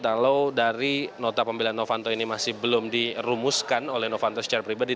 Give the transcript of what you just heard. kalau dari nota pembelaan novanto ini masih belum dirumuskan oleh novanto secara pribadi